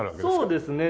そうですね。